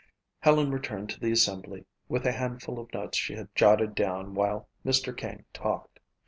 Helen returned to the assembly with the handful of notes she had jotted down while Mr. King talked.